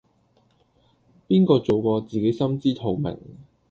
邊個做過自己心知肚明